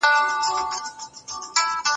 زه يې په هر ټال کې اويا زره غمونه وينم